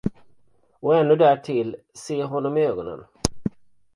Och ännu därtill se honom i ögonen.